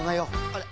あれ。